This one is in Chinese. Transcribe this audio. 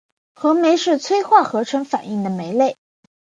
合酶是催化合成反应的酶类。